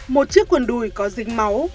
một chiếc quần đùi có dính máu